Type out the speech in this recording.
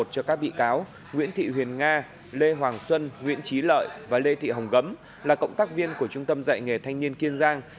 cho các bị cáo nguyễn thị huyền nga lê hoàng xuân nguyễn trí lợi và lê thị hồng gấm là cộng tác viên của trung tâm dạy nghề thanh niên kiên giang